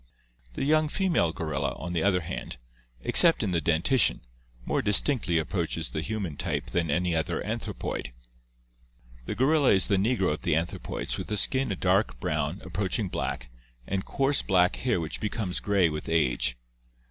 The young female gorilla, on the other hand, 6s 2 ORGANIC EVOLUTION except in the dentition,. more distinctly approaches the human type than any other anthropoid." The gorilla is the negro of the anthropoids, with the skin a dark brown, approaching black, and coarse black hair which becomes gray with age.